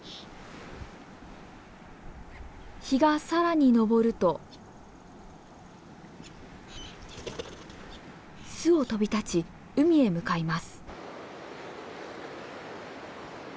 日が更に昇ると巣を飛び立ち海へ向かいます。